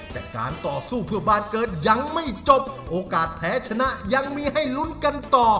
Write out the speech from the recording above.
แต่การต่อสู้เพื่อบ้านเกินยังไม่จบโอกาสแพ้ชนะยังมีให้ลุ้นกันต่อ